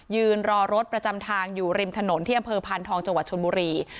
ยืนรอรถประจำทางอยู่ริมถนนที่อำเภอพานทองจังหวัดชนบุรี